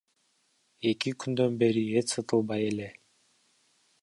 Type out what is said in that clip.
Эки күндөн бери эт сатылбай эле.